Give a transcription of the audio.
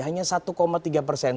hanya satu tiga persen